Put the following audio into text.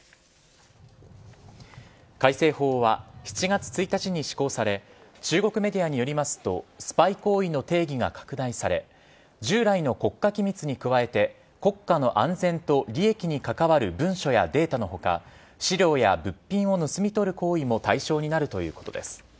改正法は、７月１日に施行され中国メディアによりますとスパイ行為の定義が拡大され従来の国家機密に加えて国家の安全と利益に関わる文書やデータの他資料や物品を盗み取る行為も対象になるということです。